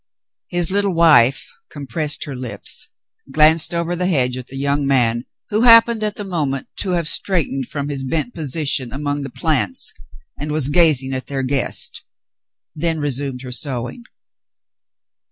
His little wife compressed her lips, glanced over the hedge at the young man who happened at the moment to have straightened from his bent position among the plants and was gazing at their guest, then resumed her sewing.